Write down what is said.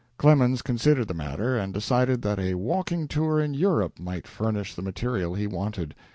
Clemens considered the matter, and decided that a walking tour in Europe might furnish the material he wanted.